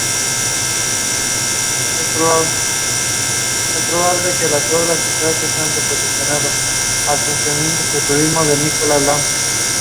It was announced that Ford is going to be out of action for months.